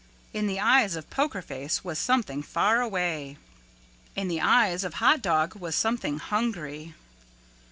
In the eyes of Poker Face was something faraway. In the eyes of Hot Dog was something hungry.